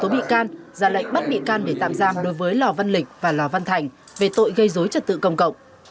vị can ra lệnh bắt vị can để tạm giam đối với lò văn lịch và lò văn thành về tội gây dối trật tự công cộng